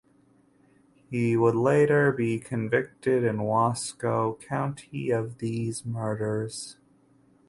He would later be convicted in Wasco County of these murders.